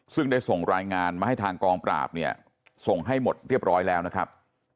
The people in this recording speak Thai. ซึ่งได้ส่งรายงานมาให้ทางกองปราบเนี่ยส่งให้หมดเรียบร้อยแล้วนะครับ